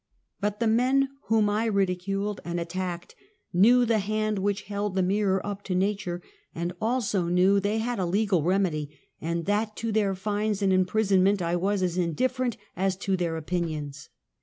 But the men whom I ridiculed and attacked knew the hand which held the mirror up to nature, and also knew they had a legal remedy, and that to their fines and imprisonment I was as indifierent as to their opin ions.